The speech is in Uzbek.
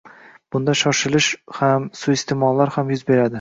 Bunda shoshilish ham, suiiste’mollar ham yuz berdi.